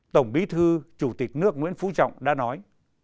tổng bí thư chủ tịch nước nguyễn phú trọng đã nói